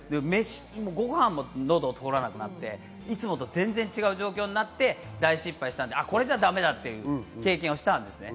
ご飯も喉を通らなくなって、いつもと全然違う状況になって大失敗したので、これじゃダメだという経験をしました。